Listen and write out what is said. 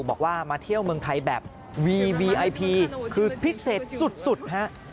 บอกว่ามาเที่ยวเมืองไทยแบบวีวีไอพีคือพิเศษสุดฮะ